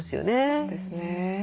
そうですね。